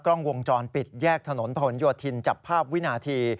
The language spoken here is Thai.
กล้องวงจรปิดแยกถนนผนโยธินจับภาพวินาที